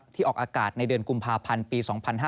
ออกอากาศในเดือนกุมภาพันธ์ปี๒๕๕๙